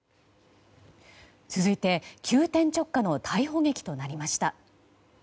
続いて、急転直下の逮捕劇となりました。